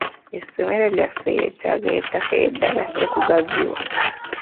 Essomero lyaffe lyetaaga ettaka eddala okugaziwa.